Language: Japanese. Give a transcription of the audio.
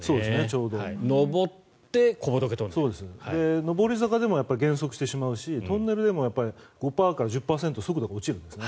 上り坂でも減速してしまうとトンネルでもやっぱり５％から１０％速度が落ちるんですね。